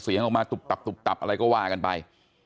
เสียงออกมาตุบตับอะไรก็ว่ากันไป